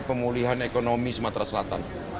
pemulihan ekonomi sumatera selatan